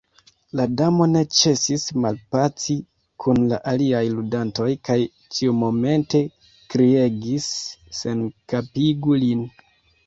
La Damo ne ĉesis malpaci kun la aliaj ludantoj kaj ĉiumomente kriegis "Senkapigu lin."